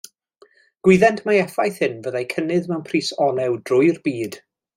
Gwyddent mai effaith hyn fyddai cynnydd mewn pris olew drwy'r byd.